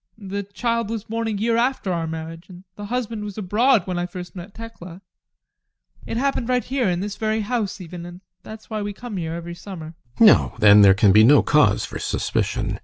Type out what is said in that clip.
The child was born a year after our marriage, and the husband was abroad when I first met Tekla it happened right here, in this very house even, and that's why we come here every summer. GUSTAV. No, then there can be no cause for suspicion.